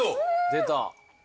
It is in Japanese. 出た。